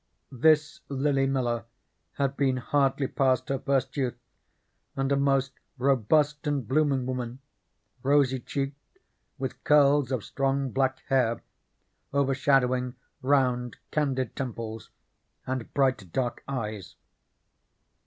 This Lily Miller had been hardly past her first youth, and a most robust and blooming woman, rosy cheeked, with curls of strong, black hair overshadowing round, candid temples and bright dark eyes.